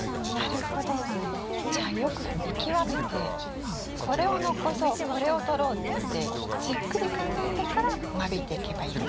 じゃあよく見極めてこれを残そうこれを取ろうってじっくり考えてから間引いていけばいいですね？